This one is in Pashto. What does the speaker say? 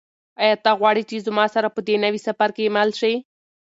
آیا ته غواړې چې زما سره په دې نوي سفر کې مل شې؟